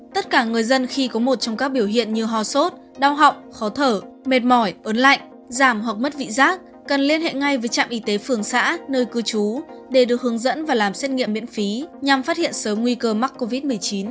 tất cả người dân khi có một trong các biểu hiện như ho sốt đau họng khó thở mệt mỏi ớn lạnh giảm hoặc mất vị giác cần liên hệ ngay với trạm y tế phường xã nơi cư trú để được hướng dẫn và làm xét nghiệm miễn phí nhằm phát hiện sớm nguy cơ mắc covid một mươi chín